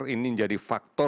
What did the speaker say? ini menjadi faktor